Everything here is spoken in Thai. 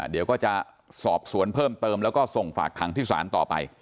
เดี๋ยวก็จะสอบสวนเพิ่มเติมแล้วก็ส่งฝากขังที่ศาลต่อไป